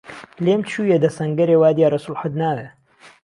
لێم چوویه ده سهنگهرێ وا دیاره سوڵحت ناوێ